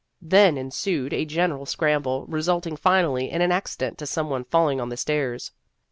Then ensued a general scramble, resulting finally in an accident to some one falling on the stairs.